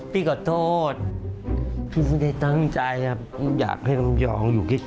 พี่ขอโทษพี่ไม่ได้ตั้งใจครับอยากให้ลำยองอยู่คิด